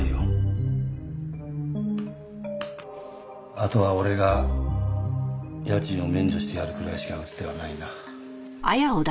あとは俺が家賃を免除してやるくらいしか打つ手はないな。